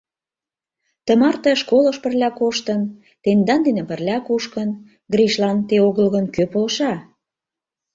— Тымарте школыш пырля коштын, тендан дене пырля кушкын, Гришлан те огыл гын, кӧ полша?